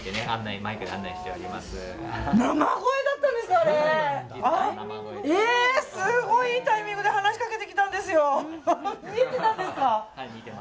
すごい、いいタイミングで話しかけてきたんですよ。